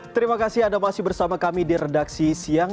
terima kasih anda masih bersama kami di redaksi siang